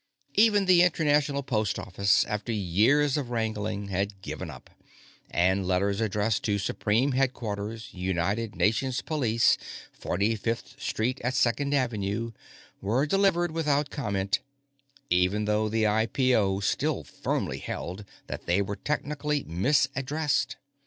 Even the International Post Office, after years of wrangling, had given up, and letters addressed to Supreme Headquarters, United Nations Police, 45th Street at Second Avenue, were delivered without comment, even though the IPO still firmly held that they were technically misaddressed.